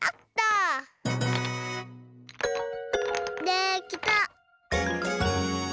できた！